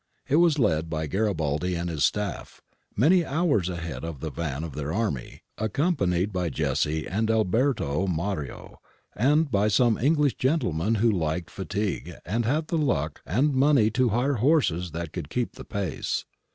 It was led by Garibaldi and his staff, many hours ahead of thtr van of their army, accompanied by Jessie and Alberto Mario, and by some English gentlemen who liked fatigue and had the luck and money to hire horses that could keep the pace.